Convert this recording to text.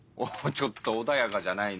ちょっと穏やかじゃないね。